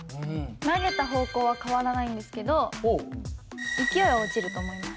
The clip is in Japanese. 投げた方向は変わらないんですけど勢いは落ちると思います。